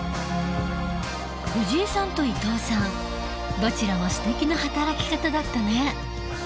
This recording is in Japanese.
藤井さんと伊藤さんどちらもすてきな働き方だったね。